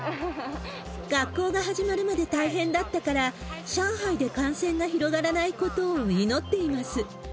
学校が始まるまで大変だったから、上海で感染が広がらないことを祈っています。